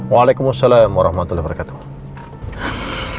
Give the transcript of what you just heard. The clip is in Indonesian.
waalaikumsalam warahmatullahi wabarakatuh